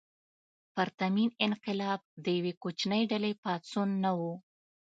پرتمین انقلاب د یوې کوچنۍ ډلې پاڅون نه و.